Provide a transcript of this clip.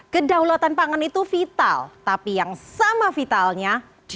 kedaulatan pangan itu vital tapi yang sama vitalnya